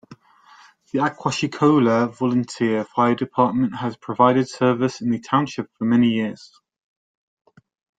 The Aquashicola Volunteer Fire Department has provided service in the township for many years.